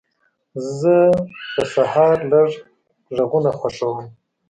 زه په سهار لږ غږونه خوښوم.